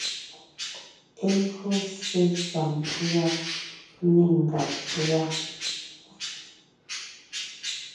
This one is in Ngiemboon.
E gÿo ssé saŋ pʉ́a né ngàb pʉ́a.